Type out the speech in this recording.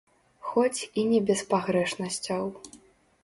Хоць і не без пагрэшнасцяў.